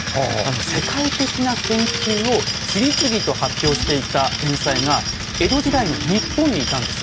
世界的な研究を次々と発表していた天才が江戸時代の日本にいたんです。